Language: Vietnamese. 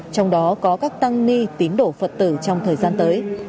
trong đó có các tăng ni tín đổ phật tử trong thời gian tới